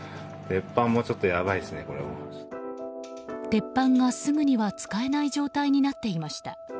鉄板がすぐには使えない状態になっていました。